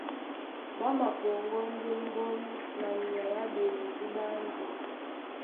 Ɓá mapɔŋgɔ́ ndé mbɔ́m na nyay á ɓewudú ɓé ánjí,